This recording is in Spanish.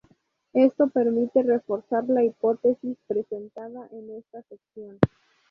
Esto permite reforzar la hipótesis presentada en esta sección.